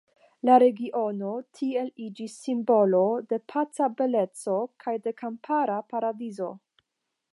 La regiono tiel iĝis simbolo de paca beleco kaj de kampara paradizo.